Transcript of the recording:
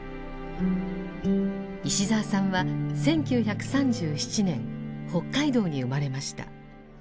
石澤さんは１９３７年北海道に生まれました。